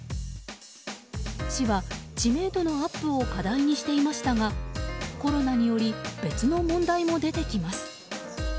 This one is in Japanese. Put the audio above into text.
市は、知名度のアップを課題にしていましたがコロナにより別の問題も出てきます。